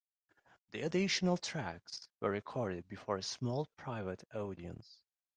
The additional tracks were recorded before a small private audience.